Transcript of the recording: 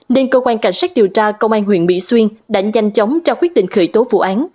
nên cơ quan cảnh sát điều tra công an huyện mỹ xuyên đã nhanh chóng cho quyết định khởi tố vụ án